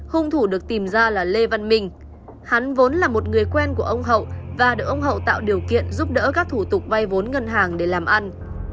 hung thủ được tìm ra là lê văn minh hắn vốn là một người quen của ông hậu và được ông hậu tạo điều kiện giúp đỡ các thủ tục vay vốn ngân hàng để làm ăn